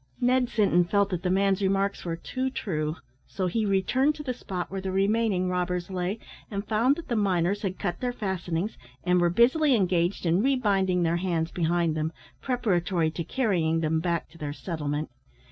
Ned Sinton felt that the man's remarks were too true, so he returned to the spot where the remaining robbers lay, and found that the miners had cut their fastenings, and were busily engaged in rebinding their hands behind them, preparatory to carrying them back to their settlement.